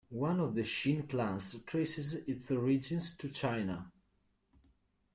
One of the Shin clans traces its origins to China.